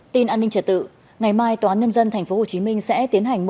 tin an ninh trật tự ngày mai tòa án nhân dân tp hcm sẽ tiến hành